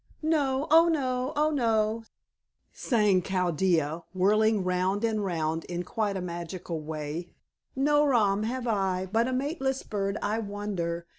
"No. Oh, no; oh, no," sang Chaldea, whirling round and round in quite a magical manner. "No rom have I, but a mateless bird I wander.